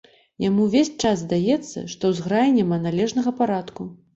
Яму ўвесь час здаецца, што ў зграі няма належнага парадку.